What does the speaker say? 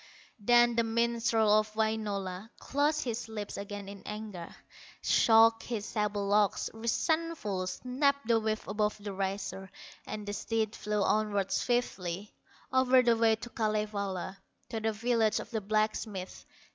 Then the minstrel of Wainola Closed his lips again in anger, Shook his sable locks, resentful, Snapped the whip above the racer, And the steed flew onward swiftly, O'er the way to Kalevala, To the village of the blacksmith.